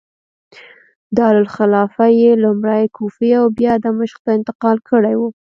دارالخلافه یې لومړی کوفې او بیا دمشق ته انتقال کړې وه.